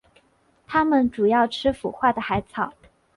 它们主要吃腐化的海草。